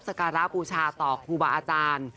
รับศักราบบูชาต่อครูบาอาจารย์